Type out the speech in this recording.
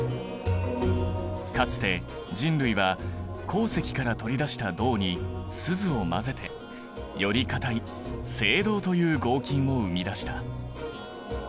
かつて人類は鉱石から取り出した銅にスズを混ぜてより硬い青銅という合金を生み出した。